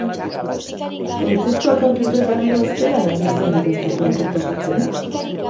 Kontzeptua aurkitu eta gero, zelan hasi zineten kantuak konposatzen?